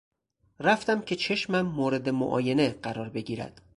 رفتم که چشمم مورد معاینه قرار بگیرد.